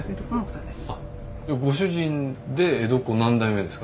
ご主人で江戸っ子何代目ですか？